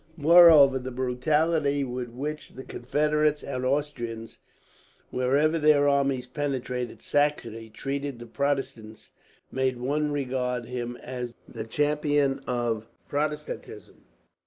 Moreover, the brutality with which the Confederates and Austrians, wherever their armies penetrated Saxony, treated the Protestants, made one regard him as the champion of Protestantism.